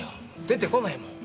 出てこないもん。